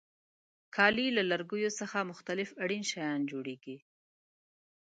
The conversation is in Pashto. کالي له لرګیو څخه مختلف اړین شیان جوړیږي.